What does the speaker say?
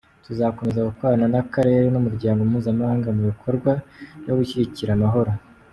Tuzakomeza gukorana n’Akarere n’Umuryango mpuzamahanga mu bikorwa byo gushyigikira amahoro.